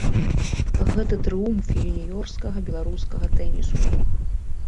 Гэта трыумф юніёрскага беларускага тэнісу.